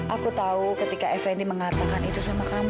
aku tahu ketika effendi mengatakan itu sama kamu